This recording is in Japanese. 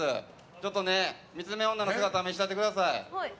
ちょっと三つ目女の姿見せてやってください。